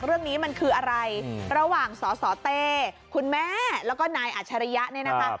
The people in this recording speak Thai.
เรื่องนี้มันคืออะไรระหว่างสสเต้คุณแม่แล้วก็นายอัชริยะเนี่ยนะคะ